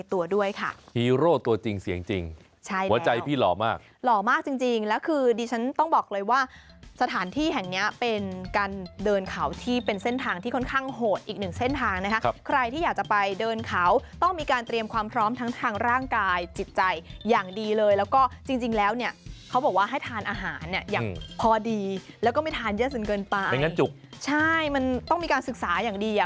ตัวจริงเสียงจริงหัวใจพี่หล่อมากหล่อมากจริงแล้วคือดิฉันต้องบอกเลยว่าสถานที่แห่งนี้เป็นการเดินเขาที่เป็นเส้นทางที่ค่อนข้างโหดอีกหนึ่งเส้นทางนะครับใครที่อยากจะไปเดินเขาต้องมีการเตรียมความพร้อมทั้งทางร่างกายจิตใจอย่างดีเลยแล้วก็จริงแล้วเนี่ยเขาบอกว่าให้ทานอาหารอย่างพอดีแล้วก็ไม่ทานเยอะ